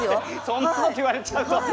そんなこと言われちゃうと。